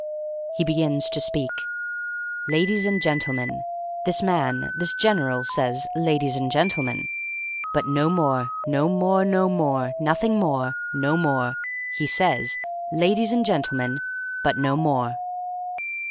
"He begins to speak. 'Ladies and gentlemen.' This man, this general, says, 'Ladies and gentlemen.' "But no more. No more. No more. Nothing more. No more. He says, 'Ladies and Gentlemen,' but no more.